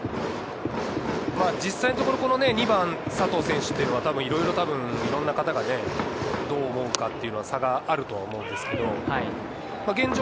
実際のところ、２番・佐藤選手というのは、いろんな方がどう思うのかというのは差があると思うんですけれど、現状